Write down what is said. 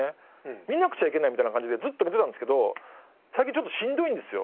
見なくちゃいけないみたいな感じでずっと見てたんですけど最近ちょっとしんどいんですよ。